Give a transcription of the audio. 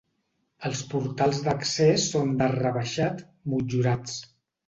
Els portals d'accés són d'arc rebaixat, motllurats.